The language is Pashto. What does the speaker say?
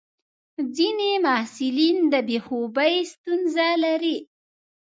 ځینې محصلین د بې خوبي ستونزه لري.